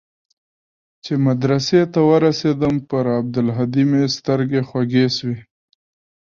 چې مدرسې ته ورسېدم پر عبدالهادي مې سترګې خوږې سوې.